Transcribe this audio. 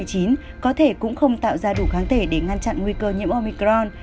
có thể cũng không tạo ra đủ kháng thể để ngăn chặn nguy cơ nhiễm omicron